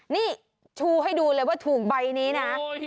นี่ชูให้ดูเลยว่าถูกใบนี้นะ